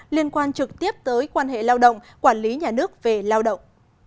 liên quan trực tiếp tới quan hệ lao động quản lý nhà nước về lao động